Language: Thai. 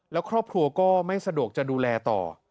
แล้วครอบครัวก็ไม่สะดวกจะดูแลต่อ